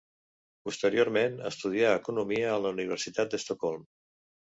Posteriorment estudià economia a la Universitat d'Estocolm.